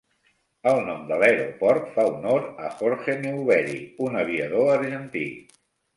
El nom de l'aeroport fa honor a Jorge Newbery, un aviador argentí.